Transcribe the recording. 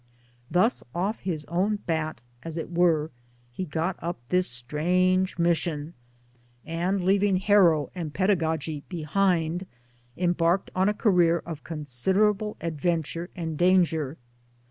Thus off his own bat, as it were, he got up this strange mission, and leaving Harrow and pedagogy behind, embarked on a career of con siderable adventure and danger.